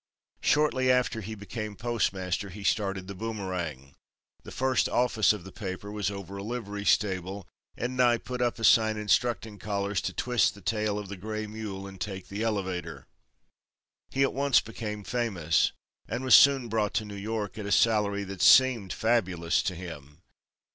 Shortly after he became postmaster he started the Boomerang. The first office of the paper was over a livery stable, and Nye put up a sign instructing callers to "twist the tail of the gray mule and take the elevator." He at once became famous, and was soon brought to New York, at a salary that seemed fabulous to him.